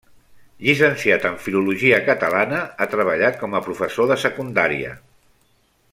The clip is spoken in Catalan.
Llicenciat en Filologia Catalana, ha treballat com a professor de secundària.